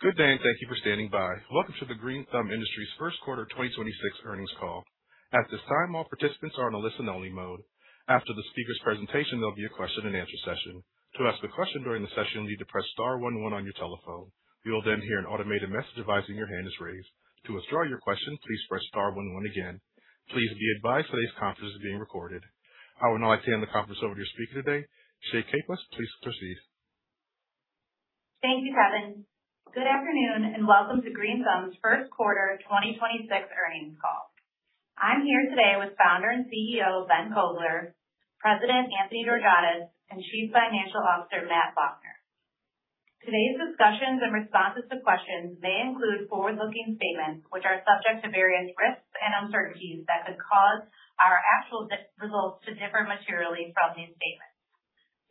Good day. Thank you for standing by. Welcome to the Green Thumb Industries' first quarter 2026 earnings call. At this time, all participants are in a listen-only mode. After the speaker's presentation, there'll be a question-and-answer session. To ask a question during the session, you need to press star one one on your telephone. You'll hear an automated message advising your hand is raised. To withdraw your question, please press star one one again. Please be advised today's conference is being recorded. I would now like to hand the conference over to your speaker today, Shay Caplice. Please proceed. Thank you, Kevin. Good afternoon, and welcome to Green Thumb's first quarter 2026 earnings call. I'm here today with Founder and CEO, Ben Kovler, President Anthony Georgiadis, and Chief Financial Officer Matt Faulkner. Today's discussions and responses to questions may include forward-looking statements, which are subject to various risks and uncertainties that could cause our actual results to differ materially from these statements.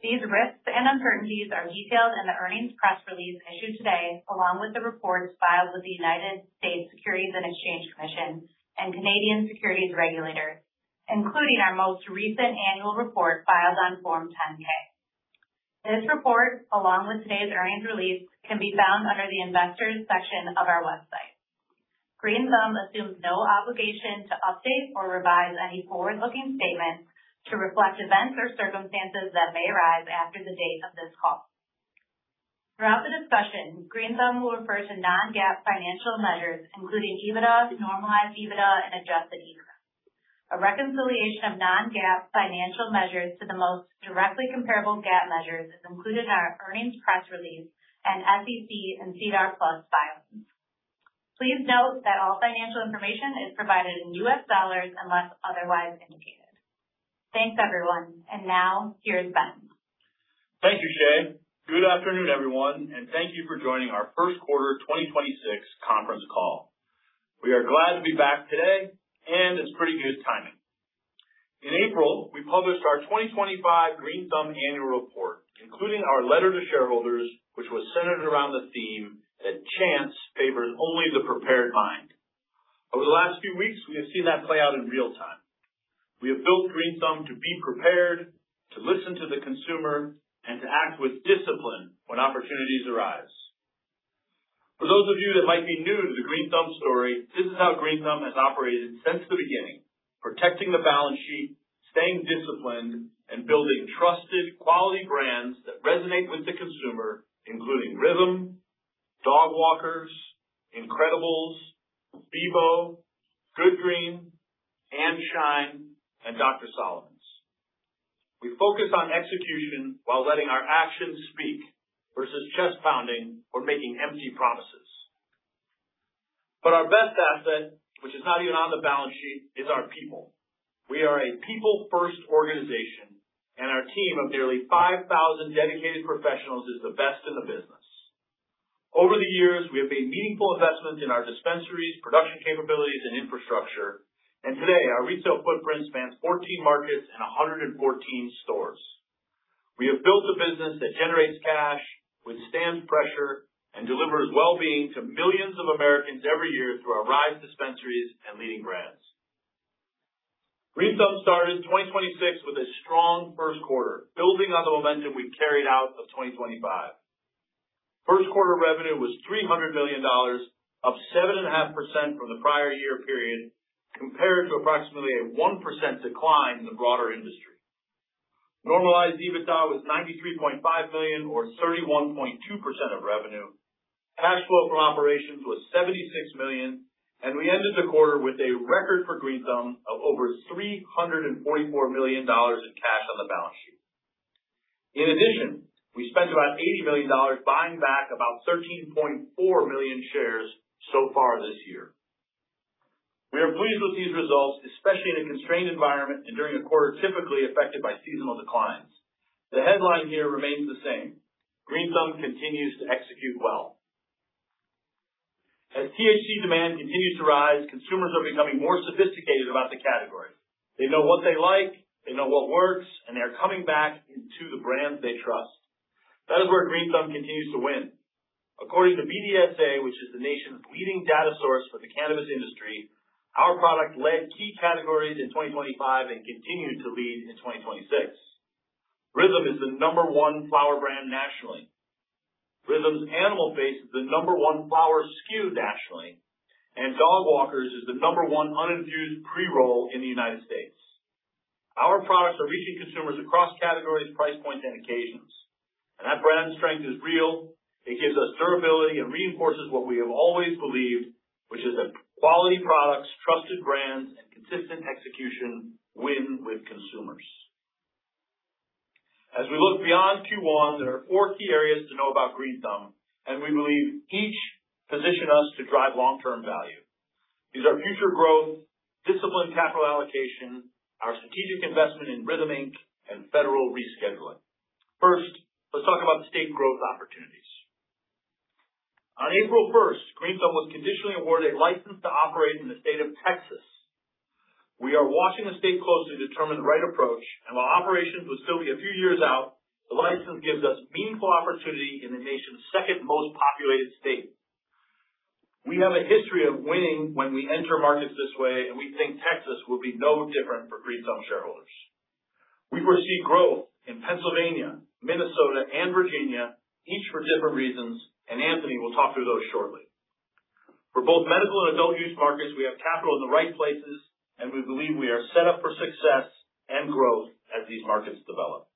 These risks and uncertainties are detailed in the earnings press release issued today, along with the reports filed with the United States Securities and Exchange Commission and Canadian securities regulators, including our most recent annual report filed on Form 10-K. This report, along with today's earnings release, can be found under the Investors section of our website. Green Thumb assumes no obligation to update or revise any forward-looking statements to reflect events or circumstances that may arise after the date of this call. Throughout the discussion, Green Thumb will refer to non-GAAP financial measures, including EBITDA, normalized EBITDA, and adjusted EBITDA. A reconciliation of non-GAAP financial measures to the most directly comparable GAAP measures is included in our earnings press release and SEC and SEDAR filings. Please note that all financial information is provided in US dollars unless otherwise indicated. Thanks, everyone. Now, here's Ben. Thank you, Shay. Good afternoon, everyone, thank you for joining our first quarter 2026 conference call. We are glad to be back today, it's pretty good timing. In April, we published our 2025 Green Thumb annual report, including our letter to shareholders, which was centered around the theme that chance favors only the prepared mind. Over the last few weeks, we have seen that play out in real time. We have built Green Thumb to be prepared, to listen to the consumer, and to act with discipline when opportunities arise. For those of you that might be new to the Green Thumb story, this is how Green Thumb has operated since the beginning, protecting the balance sheet, staying disciplined, and building trusted, quality brands that resonate with the consumer, including RYTHM, Dogwalkers, incredibles, Beboe, Good Green, &Shine, and Doctor Solomon's. We focus on execution while letting our actions speak versus chest-pounding or making empty promises. Our best asset, which is not even on the balance sheet, is our people. We are a people-first organization, and our team of nearly 5,000 dedicated professionals is the best in the business. Over the years, we have made meaningful investments in our dispensaries, production capabilities, and infrastructure, and today, our retail footprint spans 14 markets and 114 stores. We have built a business that generates cash, withstands pressure, and delivers well-being to millions of Americans every year through our RISE dispensaries and leading brands. Green Thumb started 2026 with a strong first quarter, building on the momentum we carried out of 2025. First quarter revenue was $300 million, up 7.5% from the prior year period, compared to approximately a 1% decline in the broader industry. Normalized EBITDA was $93.5 million or 31.2% of revenue. Cash flow from operations was $76 million. We ended the quarter with a record for Green Thumb of over $344 million in cash on the balance sheet. In addition, we spent about $80 million buying back about 13.4 million shares so far this year. We are pleased with these results, especially in a constrained environment and during a quarter typically affected by seasonal declines. The headline here remains the same. Green Thumb continues to execute well. THC demand continues to rise, consumers are becoming more sophisticated about the category. They know what they like, they know what works, and they are coming back into the brands they trust. That is where Green Thumb continues to win. According to BDSA, which is the nation's leading data source for the cannabis industry, our product led key categories in 2025 and continued to lead in 2026. RYTHM is the number 1 flower brand nationally. RYTHM's Animal Face is the number one flower SKU nationally, and Dogwalkers is the number one uninfused pre-roll in the United States. Our products are reaching consumers across categories, price points, and occasions. That brand strength is real. It gives us durability and reinforces what we have always believed, which is that quality products, trusted brands, and consistent execution win with consumers. As we look beyond Q1, there are four key areas to know about Green Thumb, we believe each position us to drive long-term value. These are future growth, disciplined capital allocation, our strategic investment in RYTHM Inc, and federal rescheduling. First, let's talk about state growth opportunities. On April first, Green Thumb was conditionally awarded a license to operate in the state of Texas. We are watching the state closely to determine the right approach, while operations would still be a few years out, the license gives us meaningful opportunity in the nation's second most populated state. We have a history of winning when we enter markets this way, we think Texas will be no different for Green Thumb shareholders. We foresee growth in Pennsylvania, Minnesota, and Virginia, each for different reasons, Anthony will talk through those shortly. For both medical and adult use markets, we have capital in the right places, and we believe we are set up for success and growth as these markets develop.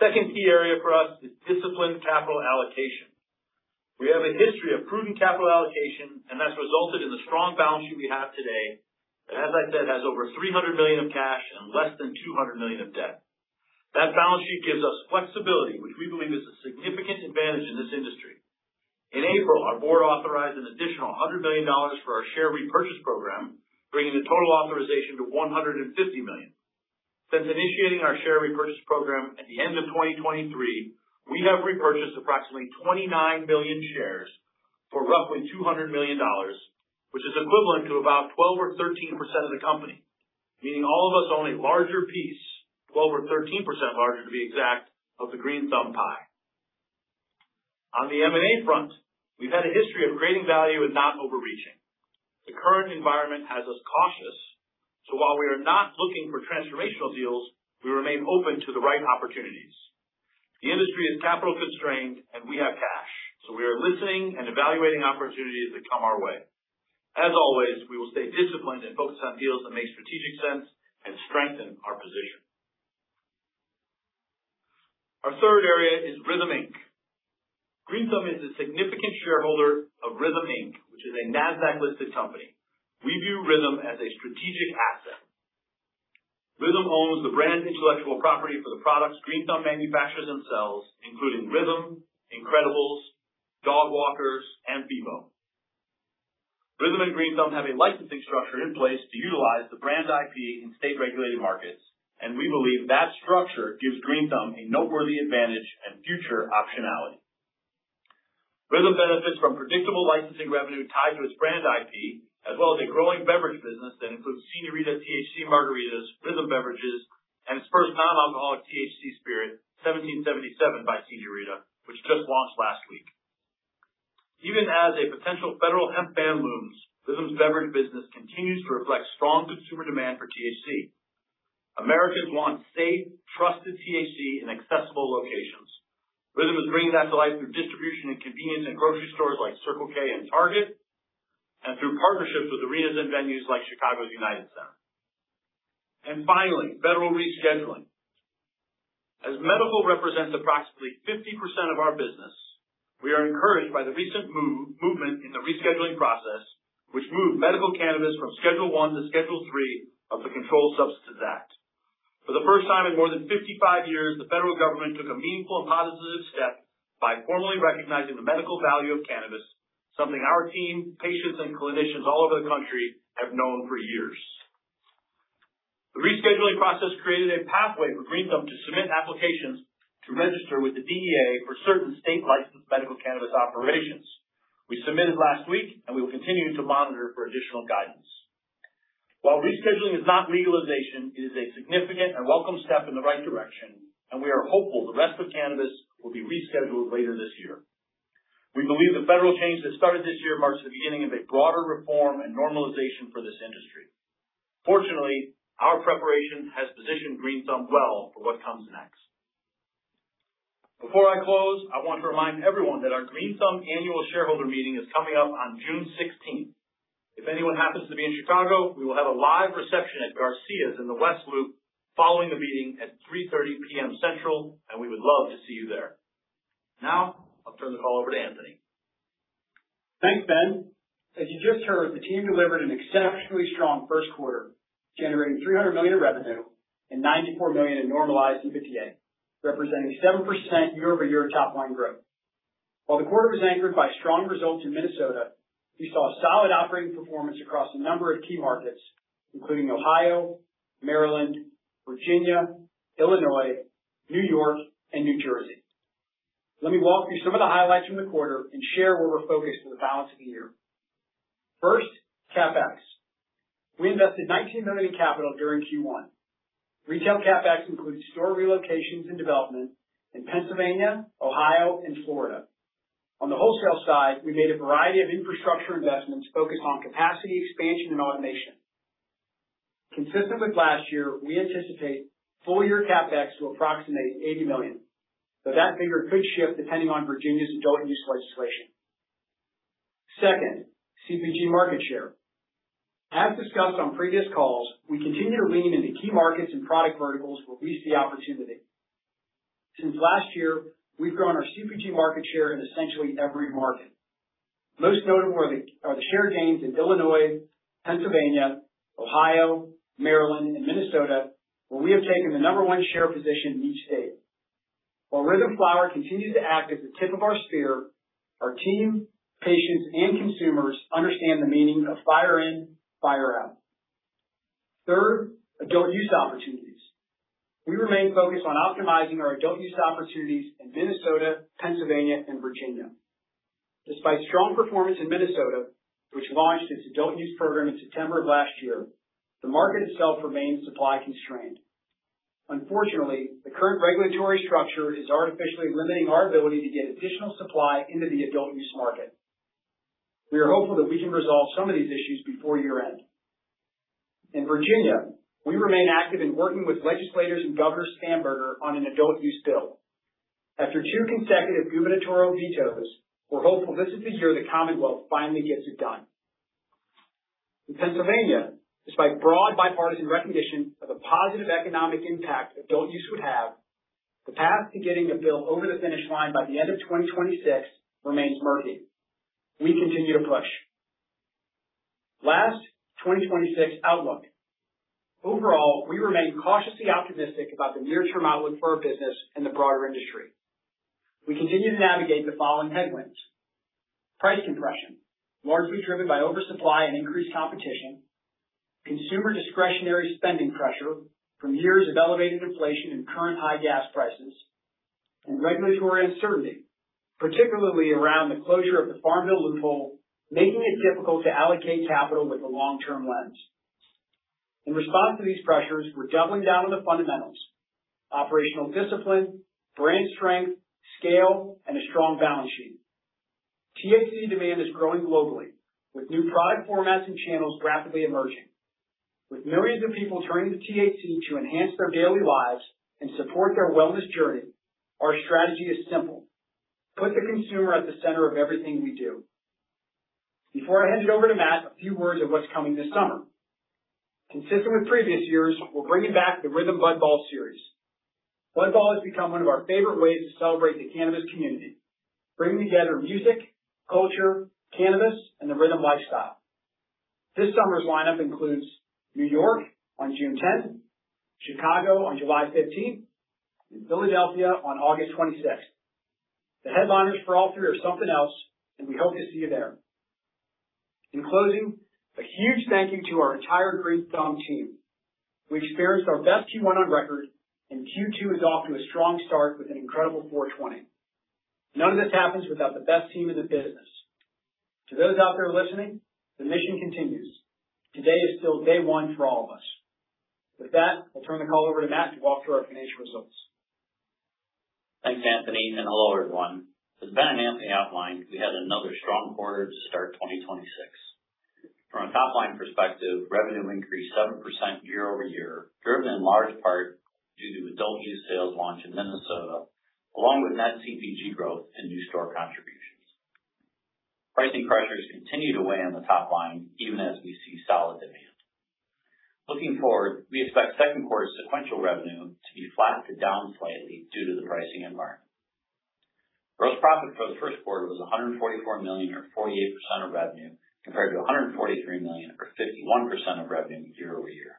Second key area for us is disciplined capital allocation. We have a history of prudent capital allocation, and that's resulted in the strong balance sheet we have today that, as I said, has over $300 million of cash and less than $200 million of debt. That balance sheet gives us flexibility, which we believe is a significant advantage in this industry. In April, our board authorized an additional $100 million dollars for our share repurchase program, bringing the total authorization to $150 million. Since initiating our share repurchase program at the end of 2023, we have repurchased approximately 29 million shares for roughly $200 million, which is equivalent to about 12% or 13% of the company, meaning all of us own a larger piece, 12% or 13% larger to be exact, of the Green Thumb Industries pie. On the M&A front, we've had a history of creating value and not overreaching. The current environment has us cautious, so while we are not looking for transformational deals, we remain open to the right opportunities. The industry is capital constrained, and we have cash, so we are listening and evaluating opportunities that come our way. As always, we will stay disciplined and focused on deals that make strategic sense and strengthen our position. Our third area is RYTHM Inc. Green Thumb is a significant shareholder of RYTHM Inc, which is a Nasdaq-listed company. We view RYTHM as a strategic asset. RYTHM owns the brand intellectual property for the products Green Thumb manufactures and sells, including RYTHM, incredibles, Dogwalkers, and Beboe. RYTHM and Green Thumb have a licensing structure in place to utilize the brand IP in state-regulated markets, and we believe that structure gives Green Thumb a noteworthy advantage and future optionality. RYTHM benefits from predictable licensing revenue tied to its brand IP, as well as a growing beverage business that includes Señorita THC Margarita, RYTHM beverages, and its first non-alcoholic THC spirit, 1777 by Señorita, which just launched last week. Even as a potential federal hemp ban looms, RYTHM's beverage business continues to reflect strong consumer demand for THC. Americans want safe, trusted THC in accessible locations. RYTHM is bringing that to life through distribution in convenience and grocery stores like Circle K and Target, and through partnerships with arenas and venues like Chicago's United Center. Finally, federal rescheduling. As medical represents approximately 50% of our business, we are encouraged by the recent movement in the rescheduling process, which moved medical cannabis from Schedule I to Schedule III of the Controlled Substances Act. For the first time in more than 55 years, the federal government took a meaningful and positive step by formally recognizing the medical value of cannabis, something our team, patients, and clinicians all over the country have known for years. The rescheduling process created a pathway for Green Thumb to submit applications to register with the DEA for certain state-licensed medical cannabis operations. We submitted last week, and we will continue to monitor for additional guidance. While rescheduling is not legalization, it is a significant and welcome step in the right direction, and we are hopeful the rest of cannabis will be rescheduled later this year. We believe the federal change that started this year marks the beginning of a broader reform and normalization for this industry. Fortunately, our preparation has positioned Green Thumb well for what comes next. Before I close, I want to remind everyone that our Green Thumb annual shareholder meeting is coming up on June 16th. If anyone happens to be in Chicago, we will have a live reception at Garcia's in the West Loop following the meeting at 3:00 P.M. Central, and we would love to see you there. Now, I'll turn the call over to Anthony. Thanks, Ben. As you just heard, the team delivered an exceptionally strong first quarter, generating $300 million in revenue and $94 million in normalized EBITDA, representing 7% year-over-year top-line growth. The quarter was anchored by strong results in Minnesota, we saw solid operating performance across a number of key markets, including Ohio, Maryland, Virginia, Illinois, New York, and New Jersey. Let me walk through some of the highlights from the quarter and share where we're focused for the balance of the year. First, CapEx. We invested $19 million in capital during Q1. Retail CapEx includes store relocations and development in Pennsylvania, Ohio, and Florida. On the wholesale side, we made a variety of infrastructure investments focused on capacity expansion and automation. Consistent with last year, we anticipate full-year CapEx to approximate $80 million, that figure could shift depending on Virginia's adult use legislation. Second, CPG market share. As discussed on previous calls, we continue to lean into key markets and product verticals where we see opportunity. Since last year, we've grown our CPG market share in essentially every market. Most notable are the share gains in Illinois, Pennsylvania, Ohio, Maryland, and Minnesota, where we have taken the number one share position in each state. While RYTHM Flower continues to act as the tip of our spear, our team, patients, and consumers understand the meaning of fire in, fire out. Third, adult use opportunities. We remain focused on optimizing our adult use opportunities in Minnesota, Pennsylvania, and Virginia. Despite strong performance in Minnesota, which launched its adult use program in September of last year, the market itself remains supply constrained. Unfortunately, the current regulatory structure is artificially limiting our ability to get additional supply into the adult use market. We are hopeful that we can resolve some of these issues before year-end. In Virginia, we remain active in working with legislators and Governor Stamberger on an adult use bill. After two consecutive gubernatorial vetoes, we're hopeful this is the year the Commonwealth finally gets it done. In Pennsylvania, despite broad bipartisan recognition of the positive economic impact adult use would have, the path to getting a bill over the finish line by the end of 2026 remains murky. We continue to push. Last, 2026 outlook. Overall, we remain cautiously optimistic about the near-term outlook for our business and the broader industry. We continue to navigate the following headwinds. Price compression, largely driven by oversupply and increased competition, consumer discretionary spending pressure from years of elevated inflation and current high gas prices, and regulatory uncertainty, particularly around the closure of the Farm Bill loophole, making it difficult to allocate capital with a long-term lens. In response to these pressures, we're doubling down on the fundamentals, operational discipline, brand strength, scale, and a strong balance sheet. THC demand is growing globally, with new product formats and channels rapidly emerging. With millions of people turning to THC to enhance their daily lives and support their wellness journey, our strategy is simple: put the consumer at the center of everything we do. Before I hand it over to Matt, a few words of what's coming this summer. Consistent with previous years, we're bringing back the RYTHM Bud Ball series. Bud Ball has become one of our favorite ways to celebrate the cannabis community, bringing together music, culture, cannabis, and the RYTHM lifestyle. This summer's lineup includes New York on June 10, Chicago on July 15, and Philadelphia on August 26. The headliners for all three are something else, and we hope to see you there. In closing, a huge thank you to our entire Green Thumb team. We experienced our best Q1 on record, and Q2 is off to a strong start with an incredible 4/20. None of this happens without the best team in the business. Today is still day one for all of us. With that, I'll turn the call over to Matt to walk through our financial results. Thanks, Anthony, and hello, everyone. As Ben and Anthony outlined, we had another strong quarter to start 2026. From a top-line perspective, revenue increased 7% year-over-year, driven in large part due to adult use sales launch in Minnesota, along with net CPG growth and new store contributions. Pricing pressures continue to weigh on the top line even as we see solid demand. Looking forward, we expect second quarter sequential revenue to be flat to down slightly due to the pricing environment. Gross profit for the first quarter was $144 million, or 48% of revenue, compared to $143 million, or 51% of revenue year-over-year.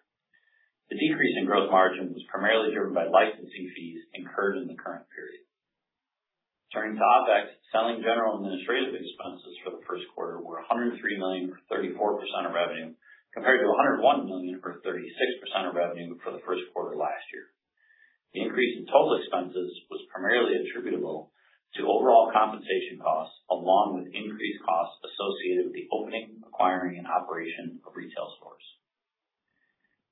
The decrease in gross margin was primarily driven by licensing fees incurred in the current period. Turning to OpEx, selling general and administrative expenses for the first quarter were $103 million, or 34% of revenue, compared to $101 million for 36% of revenue for the first quarter last year. The increase in total expenses was primarily attributable to overall compensation costs along with increased costs associated with the opening, acquiring, and operation of retail stores.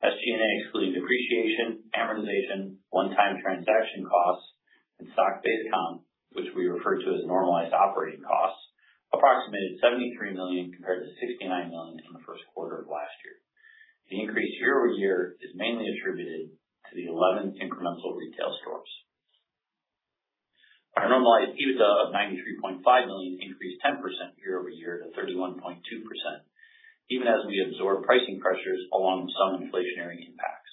SG&A exclude depreciation, amortization, one-time transaction costs, and stock-based comp, which we refer to as normalized operating costs, approximated $73 million compared to $69 million in the first quarter of last year. The increase year-over-year is mainly attributed to the 11 incremental retail stores. Our normalized EBITDA of $93.5 million increased 10% year-over-year to 31.2%, even as we absorb pricing pressures along with some inflationary impacts.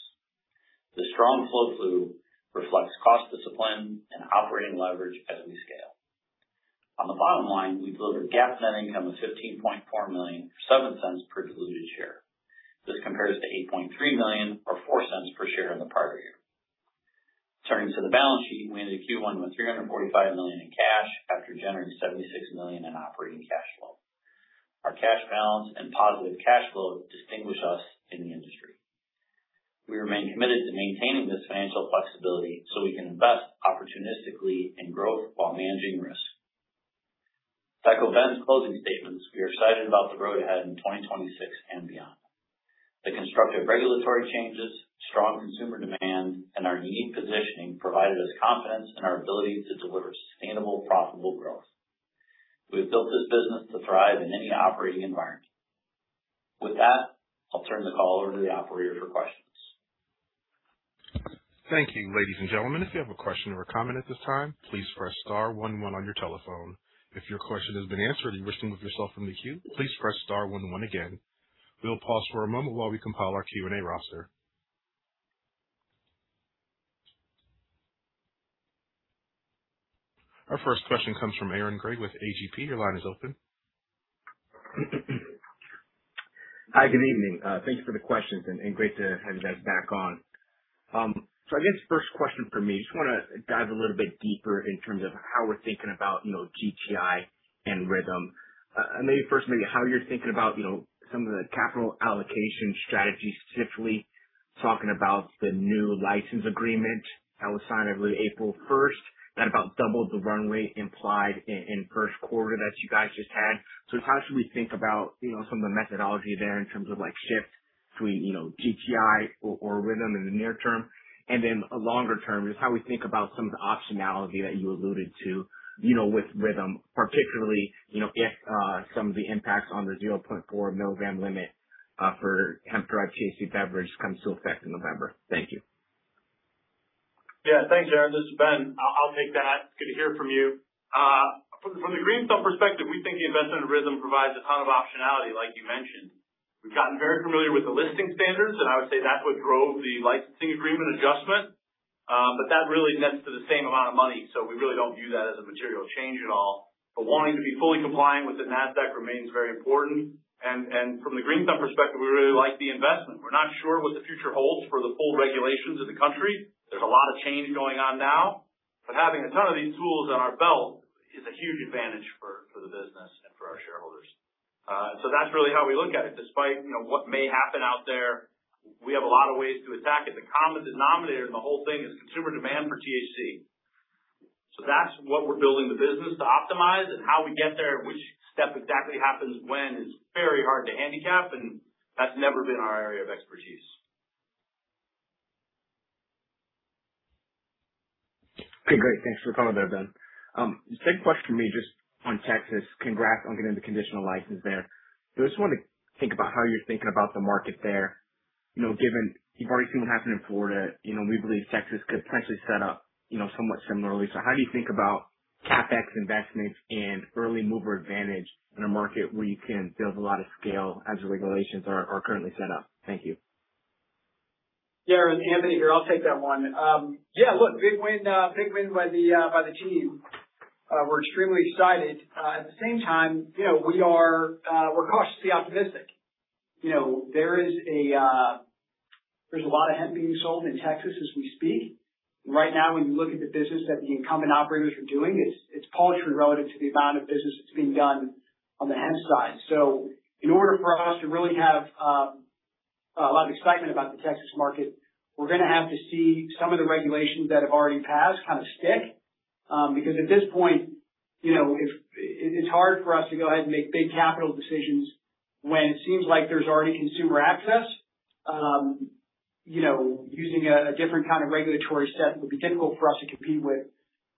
The strong flow through reflects cost discipline and operating leverage as we scale. On the bottom line, we delivered GAAP net income of $15.4 million, or $0.07 per diluted share. This compares to $8.3 million or $0.04 per share in the prior year. Turning to the balance sheet, we ended Q1 with $345 million in cash after generating $76 million in operating cash flow. Our cash balance and positive cash flow distinguish us in the industry. We remain committed to maintaining this financial flexibility so we can invest opportunistically in growth while managing risk. To echo Ben's closing statements, we are excited about the road ahead in 2026 and beyond. The constructive regulatory changes, strong consumer demand, and our unique positioning provided us confidence in our ability to deliver sustainable, profitable growth. We've built this business to thrive in any operating environment. With that, I'll turn the call over to the operator for questions. Thank you. Ladies and gentlemen, if you have a question or comment at this time, please press star one one on your telephone. If your question has been answered and you're wishing to remove yourself from the queue, please press star one one again. We'll pause for a moment while we compile our Q&A roster. Our first question comes from Aaron Grey with AGP. Your line is open. Hi, good evening. Thank you for the questions and great to have you guys back on. I guess first question from me, just wanna dive a little bit deeper in terms of how we're thinking about, you know, GTI and RYTHM. And maybe first, maybe how you're thinking about, you know, some of the capital allocation strategies, specifically talking about the new license agreement that was signed early April 1st. That about doubled the runway implied in 1st quarter that you guys just had. How should we think about, you know, some of the methodology there in terms of like shift between, you know, GTI or RYTHM in the near term? Longer term, just how we think about some of the optionality that you alluded to, you know, with RYTHM, particularly, you know, if some of the impacts on the 0.4 mg limit for hemp-derived THC beverage comes to effect in November. Thank you. Thanks, Aaron. This is Ben. I'll take that. It's good to hear from you. From the Green Thumb perspective, we think the investment in RYTHM provides a ton of optionality, like you mentioned. We've gotten very familiar with the listing standards. I would say that's what drove the licensing agreement adjustment. That really nets to the same amount of money. We really don't view that as a material change at all. Wanting to be fully compliant with the Nasdaq remains very important. From the Green Thumb perspective, we really like the investment. We're not sure what the future holds for the full regulations of the country. There's a lot of change going on now. Having a ton of these tools on our belt is a huge advantage for the business and for our shareholders. That's really how we look at it. Despite, you know, what may happen out there, we have a lot of ways to attack it. The common denominator in the whole thing is consumer demand for THC. That's what we're building the business to optimize. How we get there and which step exactly happens when is very hard to handicap, and that's never been our area of expertise. Okay, great. Thanks for covering that, Ben. Second question from me just on Texas. Congrats on getting the conditional license there. I just wanna think about how you're thinking about the market there. You know, given you've already seen what happened in Florida, you know, we believe Texas could potentially set up, you know, somewhat similarly. How do you think about CapEx investments and early mover advantage in a market where you can build a lot of scale as the regulations are currently set up? Thank you. It's Anthony here. I'll take that one. Look, big win by the team. We're extremely excited. At the same time, you know, we are cautiously optimistic. You know, there is a lot of hemp being sold in Texas as we speak. Right now, when you look at the business that the incumbent operators are doing, it's paltry relative to the amount of business that's being done on the hemp side. In order for us to really have a lot of excitement about the Texas market, we're gonna have to see some of the regulations that have already passed kind of stick. Because at this point, you know, it's hard for us to go ahead and make big capital decisions when it seems like there's already consumer access. You know, using a different kind of regulatory set would be difficult for us to compete with,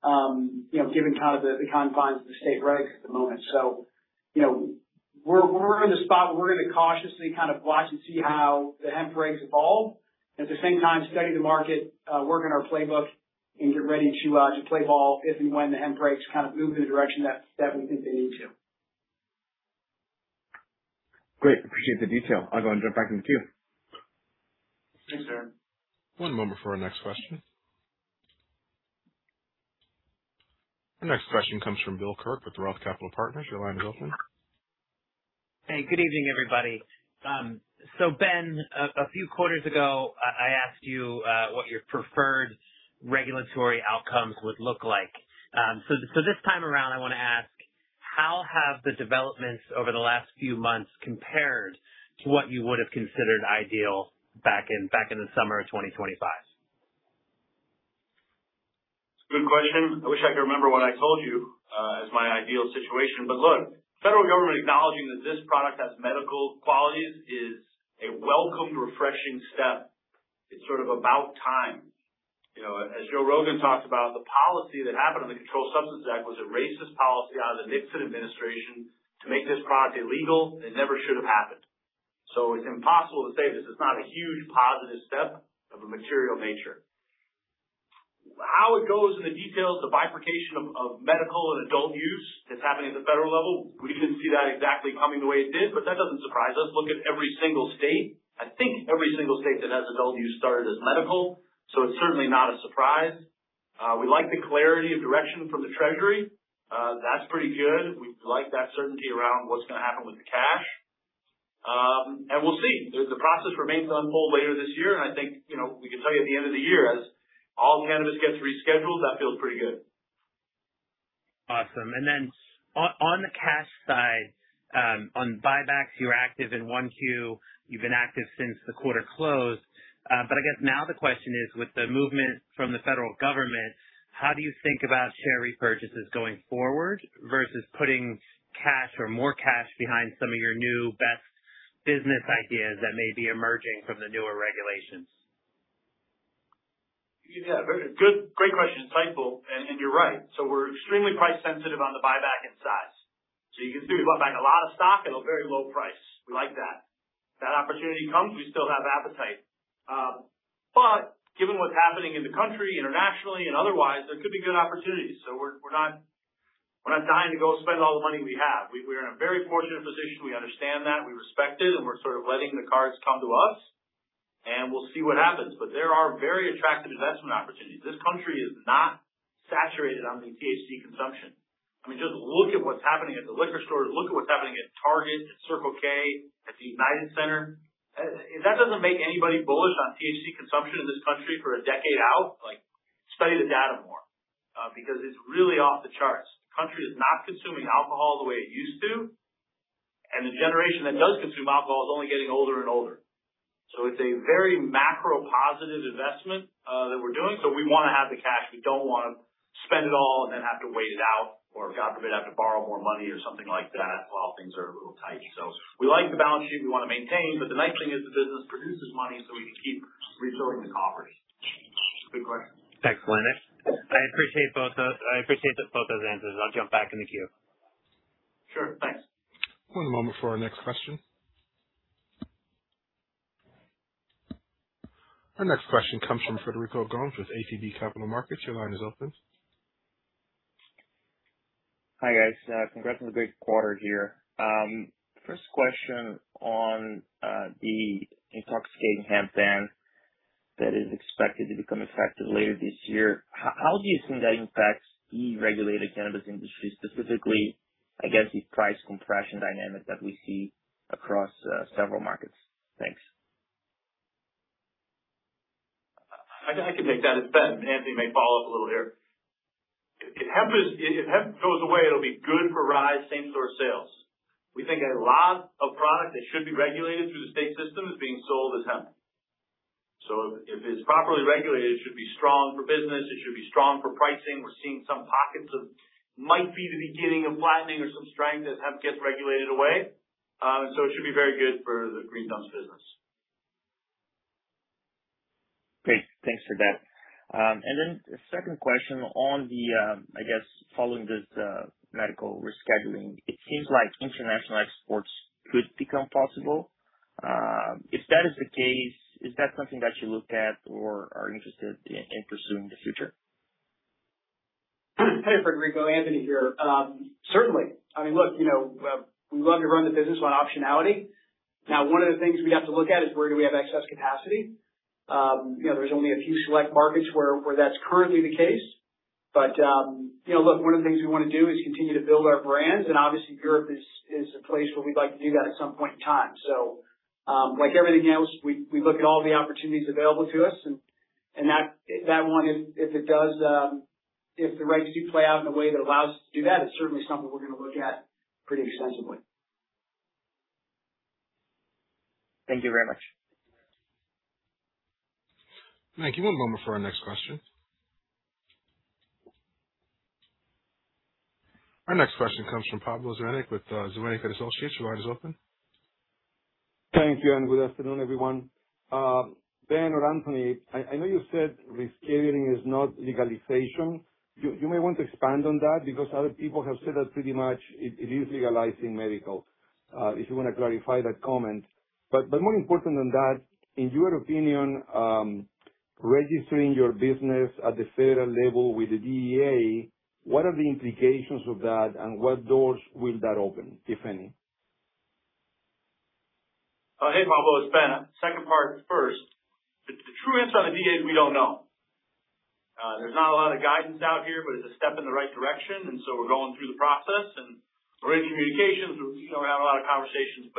you know, given kind of the confines of the state regs at the moment. You know, we're in the spot where we're gonna cautiously kind of watch and see how the hemp regs evolve. At the same time, study the market, work on our playbook, and get ready to play ball if and when the hemp regs kind of move in a direction that we think they need to. Great. Appreciate the detail. I'll go and jump back in the queue. Thanks, Aaron Grey. One moment for our next question. The next question comes from Bill Kirk with Roth Capital Partners. Your line is open. Hey, good evening, everybody. Ben, a few quarters ago, I asked you what your preferred regulatory outcomes would look like. This time around, I wanna ask, how have the developments over the last few months compared to what you would have considered ideal back in the summer of 2025? It's a good question. I wish I could remember what I told you as my ideal situation. Look, Federal Government acknowledging that this product has medical qualities is a welcomed, refreshing step. It's sort of about time. You know, as Joe Rogan talks about, the policy that happened on the Controlled Substances Act was a racist policy out of the Nixon administration to make this product illegal. It never should have happened. It's impossible to say this is not a huge positive step of a material nature. How it goes in the details, the bifurcation of medical and adult use that's happening at the Federal level, we didn't see that exactly coming the way it did, that doesn't surprise us. Look at every single state. I think every single state that has adult use started as medical, it's certainly not a surprise. We like the clarity of direction from the treasury. That's pretty good. We like that certainty around what's gonna happen with the cash. We'll see. The process remains unfold later this year, and I think, you know, we can tell you at the end of the year, as all cannabis gets rescheduled, that feels pretty good. Awesome. On the cash side, on buybacks, you're active in one Q. You've been active since the quarter closed. I guess now the question is, with the movement from the federal government, how do you think about share repurchases going forward versus putting cash or more cash behind some of your new best business ideas that may be emerging from the newer regulations? Yeah. Very good. Great question. Insightful. You're right. We're extremely price sensitive on the buyback and size. You can see we bought back a lot of stock at a very low price. We like that. If that opportunity comes, we still have appetite. Given what's happening in the country, internationally and otherwise, there could be good opportunities. We're not dying to go spend all the money we have. We're in a very fortunate position. We understand that, we respect it, and we're sort of letting the cards come to us, and we'll see what happens. There are very attractive investment opportunities. This country is not saturated on the THC consumption. I mean, just look at what's happening at the liquor stores. Look at what's happening at Target, at Circle K, at the United Center. If that doesn't make anybody bullish on THC consumption in this country for a decade out, like, study the data more, because it's really off the charts. The country is not consuming alcohol the way it used to, and the generation that does consume alcohol is only getting older and older. It's a very macro positive investment that we're doing, so we wanna have the cash. We don't wanna spend it all and then have to wait it out or, God forbid, have to borrow more money or something like that while things are a little tight. We like the balance sheet we wanna maintain, but the nice thing is the business produces money, so we can keep restoring the coffers. Good question. Thanks, Ben. I appreciate both those answers. I'll jump back in the queue. Sure. Thanks. One moment for our next question. Our next question comes from Frederico Gomes with ATB Capital Markets. Your line is open. Hi, guys. Congrats on a great quarter here. First question on the intoxicating hemp ban that is expected to become effective later this year. How do you think that impacts deregulated cannabis industry, specifically against the price compression dynamic that we see across several markets? Thanks. I can take that. It's Ben. Anthony may follow up a little here. If hemp goes away, it'll be good for RISE same store sales. We think a lot of product that should be regulated through the state system is being sold as hemp. If it's properly regulated, it should be strong for business, it should be strong for pricing. We're seeing some pockets of might be the beginning of flattening or some strength as hemp gets regulated away. It should be very good for the Green Thumb business. Great. Thanks for that. Second question on the, I guess following this, medical rescheduling, it seems like international exports could become possible. If that is the case, is that something that you looked at or are interested in pursuing in the future? Hey, Frederico. Anthony here. Certainly. I mean, look, you know, we love to run the business on optionality. Now, one of the things we have to look at is where do we have excess capacity. You know, there's only a few select markets where that's currently the case. You know, look, one of the things we wanna do is continue to build our brands. Obviously Europe is a place where we'd like to do that at some point in time. Like everything else, we look at all the opportunities available to us and that one, if it does, if the rights do play out in a way that allows us to do that, it's certainly something we're gonna look at pretty extensively. Thank you very much. Thank you. One moment for our next question. Our next question comes from Pablo Zuanic with Zuanic & Associates. Your line is open. Thank you. Good afternoon, everyone. Ben or Anthony, I know you said rescheduling is not legalization. You may want to expand on that because other people have said that pretty much it is legalizing medical, if you wanna clarify that comment. More important than that, in your opinion, registering your business at the federal level with the DEA, what are the implications of that and what doors will that open, if any? Hey, Pablo. It's Ben. Second part first. The true answer on the DEA is we don't know. There's not a lot of guidance out here. It's a step in the right direction. We're going through the process and we're in communications. We, you know, we have a lot of conversations.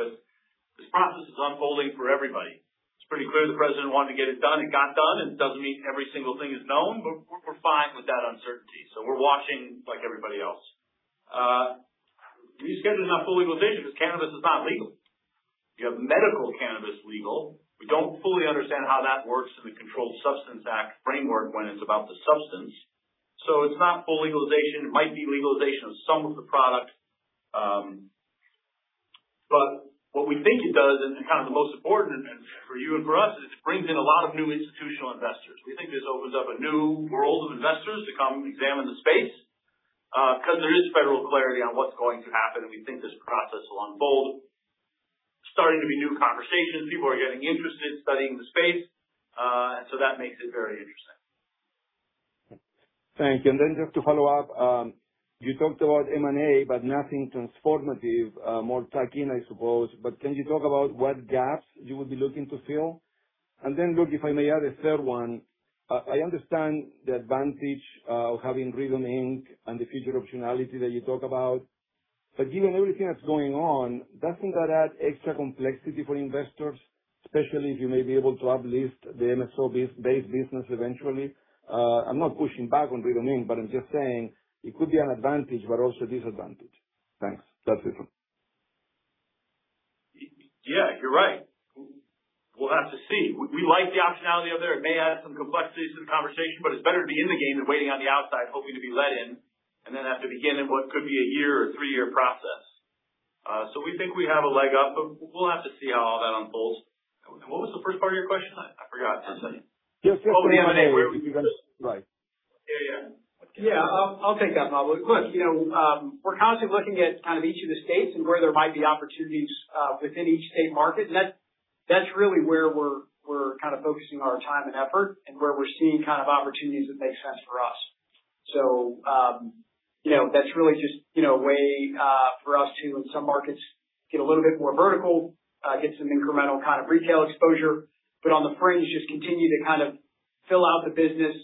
This process is unfolding for everybody. It's pretty clear the president wanted to get it done. It got done. It doesn't mean every single thing is known. We're fine with that uncertainty. We're watching like everybody else. Rescheduling is not full legalization because cannabis is not legal. You have medical cannabis legal. We don't fully understand how that works in the Controlled Substances Act framework when it's about the substance. It's not full legalization. It might be legalization of some of the product. What we think it does, and kind of the most important for you and for us, is it brings in a lot of new institutional investors. We think this opens up a new world of investors to come examine the space because there is federal clarity on what's going to happen, and we think this process will unfold. Starting to be new conversations. People are getting interested in studying the space. That makes it very interesting. Thank you. Then just to follow up, you talked about M&A, but nothing transformative, more tuck in, I suppose. Can you talk about what gaps you would be looking to fill? Then, look, if I may add a third one, I understand the advantage of having RYTHM Inc and the future optionality that you talk about. Given everything that's going on, doesn't that add extra complexity for investors, especially if you may be able to uplist the MSO-based business eventually? I'm not pushing back on RYTHM Inc, but I'm just saying it could be an advantage but also a disadvantage. Thanks. That's it. Yeah, you're right. We'll have to see. We like the optionality of it. It may add some complexity, some conversation, but it's better to be in the game than waiting on the outside, hoping to be let in, and then have to begin in what could be a year or three-year process. We think we have a leg up, but we'll have to see how all that unfolds. What was the first part of your question? I forgot, Anthony. Just, just- Oh, M&A. Right. Yeah, yeah. Yeah. I'll take that, Pablo. Look, you know, we're constantly looking at kind of each of the states and where there might be opportunities within each state market. That's really where we're kind of focusing our time and effort and where we're seeing kind of opportunities that make sense for us. You know, that's really just, you know, a way for us to, in some markets, get a little bit more vertical, get some incremental kind of retail exposure, but on the fringe, just continue to kind of fill out the business,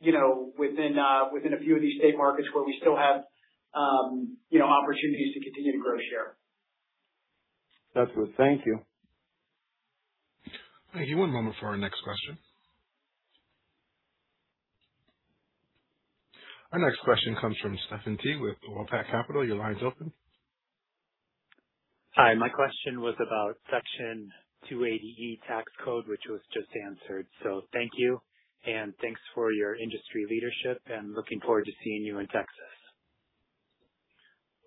you know, within a few of these state markets where we still have, you know, opportunities to continue to grow share. That's good. Thank you. Thank you. One moment for our next question. Our next question comes from Stefan T. with AVA Capital. Your line is open. Hi. My question was about Section 280E tax code, which was just answered. Thank you, thanks for your industry leadership, looking forward to seeing you in Texas.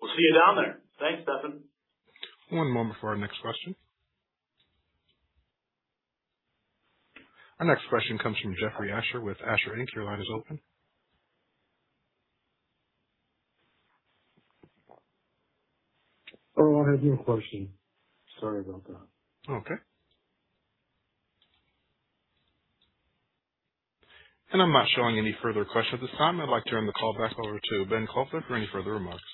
We'll see you down there. Thanks, Stefan. One moment for our next question. Our next question comes from Jeffrey Asher with Asher Inc. Your line is open. Oh, I had no question. Sorry about that. Okay. I'm not showing any further questions at this time. I'd like to turn the call back over to Ben Kovler for any further remarks.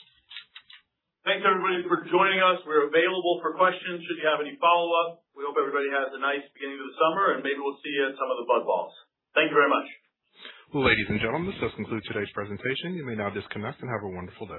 Thanks, everybody, for joining us. We're available for questions should you have any follow-up. We hope everybody has a nice beginning of the summer, and maybe we'll see you at some of the Bud Balls. Thank you very much. Ladies and gentlemen, this concludes today's presentation. You may now disconnect and have a wonderful day.